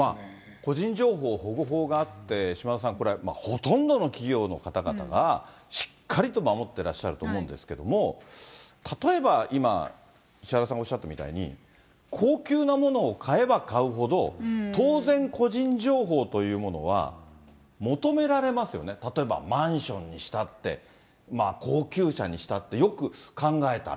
個人情報保護法があって、島田さん、これ、ほとんどの企業の方々がしっかりと守ってらっしゃると思うんですけれども、例えば今、石原さんがおっしゃったみたいに、高級なものを買えば買うほど、当然個人情報というものは、求められますよね、例えばマンションにしたって、高級車にしたって、よく考えたら。